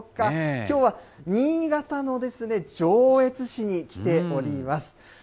きょうは新潟の上越市に来ております。